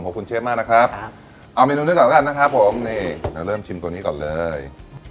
ขอบคุณเชฟมากนะครับเอาเมนูด้วยก่อนกันนะครับผมนี่จะเริ่มชิมตัวนี้ก่อนเลย